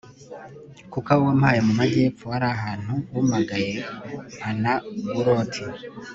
kuko aho wampaye mu majyepfo ari ahantu humagaye; mpa na guloti